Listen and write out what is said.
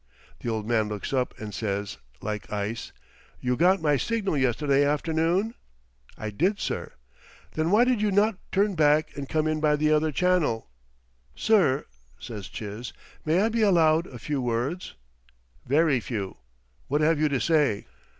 "The old man looks up and says like ice: 'You got my signal yesterday afternoon?' "'I did, sir.' "'Then why did you not turn back and come in by the other channel?' "'Sir,' says Chiz, 'may I be allowed a few words?' "'Very few. What have you to say?'